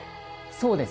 そうです。